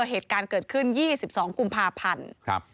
เหตุการณ์เกิดขึ้น๒๒กุมภาพันธ์